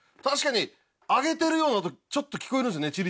確かに揚げてるような音ちょっと聞こえるんですよね。